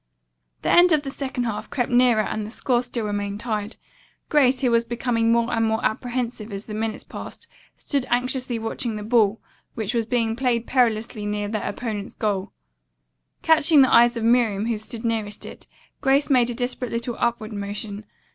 The end of the second half crept nearer and the score still remained tied. Grace, who was becoming more and more apprehensive as the minutes passed, stood anxiously watching the ball, which was being played perilously near their opponents' goal. Catching the eyes of Miriam, who stood nearest it, Grace made a desperate little upward motion.